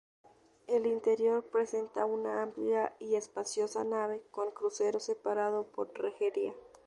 El interior presenta una amplia y espaciosa nave, con crucero separado por rejería.